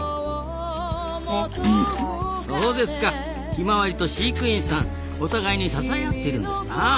ヒマワリと飼育員さんお互いに支え合っているんですなあ。